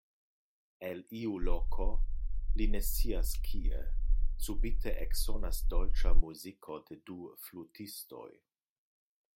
El iu loko, li ne scias kie, subite eksonas dolĉa muziko de du flutistoj.